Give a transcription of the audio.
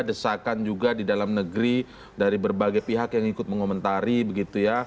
desakan juga di dalam negeri dari berbagai pihak yang ikut mengomentari begitu ya